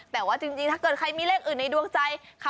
แต่ว่าจริงถ้าเกิดใครมีเลขอื่นในดวงใจ